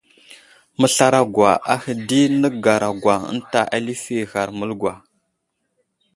Məslarogwa ahe di nəgaragwa ənta alifi ghar məlgwa.